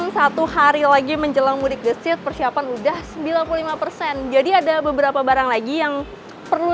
satu hari lagi menjelang mudik gesit persiapan udah sembilan puluh lima persen jadi ada beberapa barang lagi yang perlu